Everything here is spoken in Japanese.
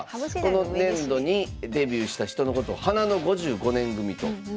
この年度にデビューした人のことを花の５５年組と。